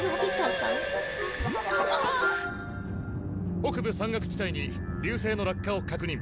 北部山岳地帯に流星の落下を確認。